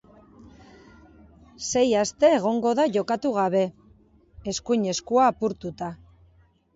Sei aste egongo da jokatu dabe, eskuin eskua apurtuta.